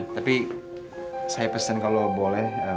tapi saya pesen kalau boleh